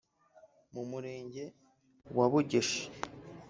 mu Murenge wa Bugeshi